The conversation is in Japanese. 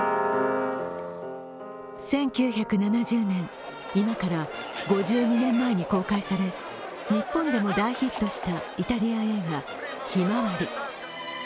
１９７０年、今から５２年前に公開され日本でも大ヒットしたイタリア映画「ひまわり」。